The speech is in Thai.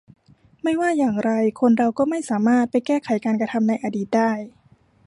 ไม่ว่าอย่างไรคนเราก็ไม่สามารถไปแก้ไขการกระทำในอดีตได้